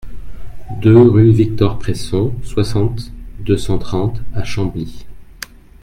deux rue Victor Presson, soixante, deux cent trente à Chambly